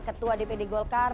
ketua dpd golkar